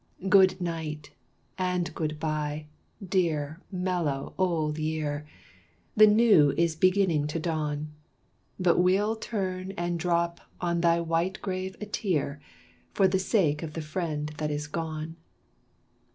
Good night, and good bye, dear, mellow, old year, The new is beginning to dawn. But we'll turn and drop on thy white grave a tear, For the sake of the friend that is gone.